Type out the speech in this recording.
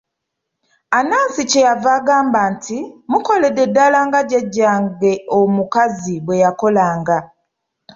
Anansi kye yava agamba nti, mukoledde ddala nga jjajjaange omukazi bwe yakolanga.